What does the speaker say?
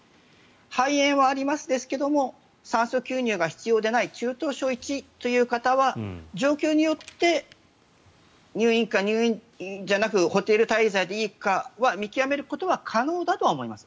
肺炎はありますが酸素吸入が必要でない中等症１という方は状況によって入院か入院じゃなくホテル滞在でいいかは見極めることは可能だとは思います。